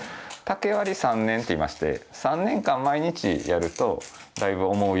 竹割り３年っていいまして３年間毎日やるとだいぶ思うように。